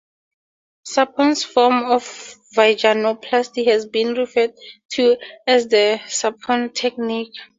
Suporn's form of vaginoplasty has been referred to as the Suporn technique.